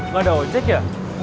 gak ada ojek ya